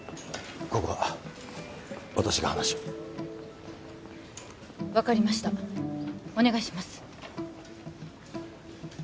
ここは私が話を分かりましたお願いします